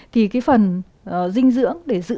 thì cái phần dinh dưỡng để giữ lại